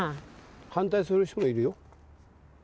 反対する人もいるよ。